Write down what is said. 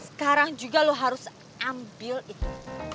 sekarang juga lo harus ambil itu